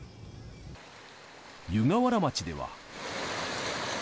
湯河原町では。